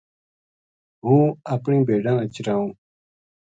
ہوں اپنی بھیڈاں نا چرائوں ‘‘